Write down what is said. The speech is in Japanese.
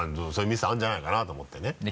そういうミスあるんじゃないかなと思ってね。